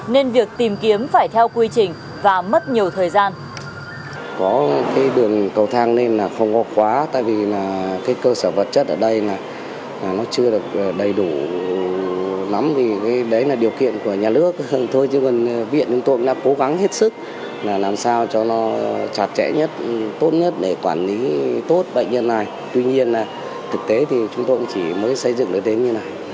nên việc tìm kiếm phải theo quy trình và mất nhiều thời gian